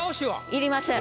いりません。